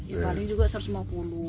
ya paling juga rp satu ratus lima puluh